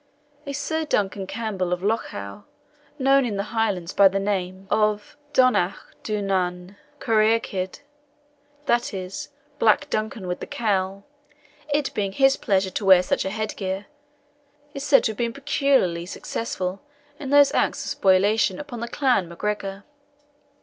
A Sir Duncan Campbell of Lochow, known in the Highlands by the name of Donacha Dhu nan Churraichd, that is, Black Duncan with the Cowl, it being his pleasure to wear such a head gear, is said to have been peculiarly successful in those acts of spoliation upon the clan MacGregor.